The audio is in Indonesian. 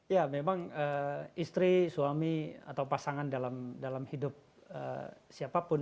ya memang istri suami atau pasangan dalam hidup siapapun